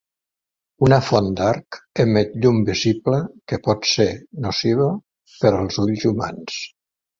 Una font d'arc emet llum visible que pot ser nociva per als ulls humans.